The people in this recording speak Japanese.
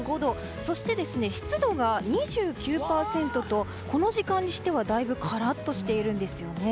そして湿度が２９％とこの時間にしてはだいぶカラッとしているんですよね。